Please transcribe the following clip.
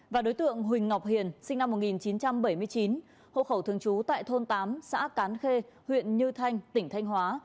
và đối tượng huỳnh ngọc hiền sinh năm một nghìn chín trăm bảy mươi chín hộ khẩu thường trú tại thôn tám xã cán khê huyện như thanh tỉnh thanh hóa